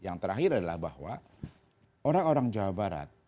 yang terakhir adalah bahwa orang orang jawa barat